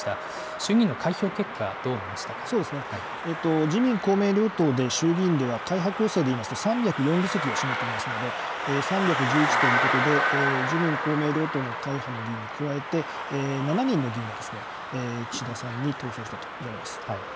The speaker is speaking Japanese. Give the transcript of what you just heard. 衆議院の開票結果、どう見ました自民、公明両党で衆議院では会派構成でいいますと、３０４議席を占めていますので、３１１ということで、自民、公明両党の会派の議員に加えて、７人の議員が、岸田さんに投票したと見られます。